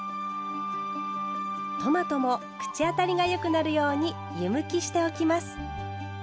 トマトも口当たりがよくなるように湯むきしておきます。